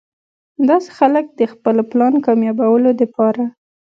داسې خلک د خپل پلان کاميابولو د پاره